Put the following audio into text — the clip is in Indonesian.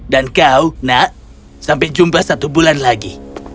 dan kau nak sampai jumpa satu bulan lagi